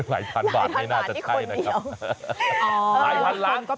หลายพันบาทไม่น่าจะใช่นะครับ